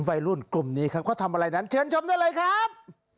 วัยรุ่นกลุ่มนี้ครับเขาทำอะไรนั้นเชิญชมได้เลยครับ